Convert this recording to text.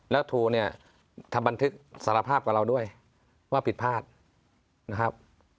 แล้วทูเนี่ยทำบันทึกสารภาพกับเราด้วยว่าผิดพลาดนะครับ